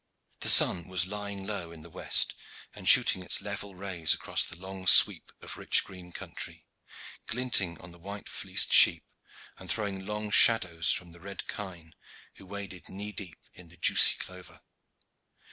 The sun was lying low in the west and shooting its level rays across the long sweep of rich green country, glinting on the white fleeced sheep and throwing long shadows from the red kine who waded knee deep in the juicy clover.